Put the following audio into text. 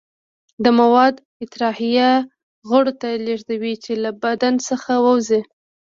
دا مواد اطراحیه غړو ته لیږدوي چې له بدن څخه ووځي.